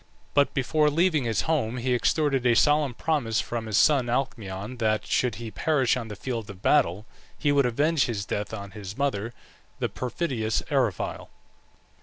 But before leaving his home he extorted a solemn promise from his son Alcmaeon that, should he perish on the field of battle, he would avenge his death on his mother, the perfidious Eriphyle.